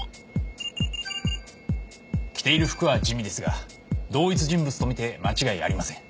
着ている服は地味ですが同一人物と見て間違いありません。